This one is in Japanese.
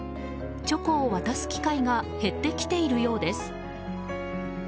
チョコを渡す機会が減ってきているようです。